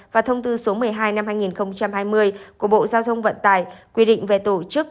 và thông tư số một mươi hai năm hai nghìn hai mươi của bộ giao thông vận tải quy định về tổ chức